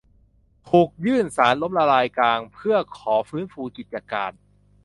ถูกยื่นศาลล้มละลายกลางเพื่อขอฟื้นฟูกิจการ